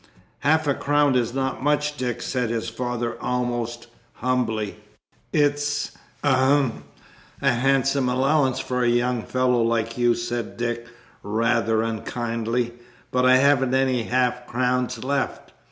"Half a crown is not much, Dick," said his father, almost humbly. "It's ahem a handsome allowance for a young fellow like you," said Dick, rather unkindly; "but I haven't any half crowns left.